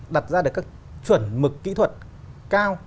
đặt ra được các chuẩn mực kỹ thuật cao